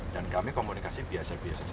kami komunikasi biasa biasa saja